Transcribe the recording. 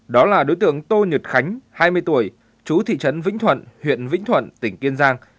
đó là đối tượng tô nhật khánh hai mươi tuổi chú thị trấn vĩnh thuận huyện vĩnh thuận tỉnh kiên giang